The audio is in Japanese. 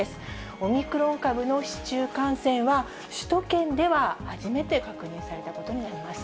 オミクロン株の市中感染は、首都圏では初めて確認されたことになります。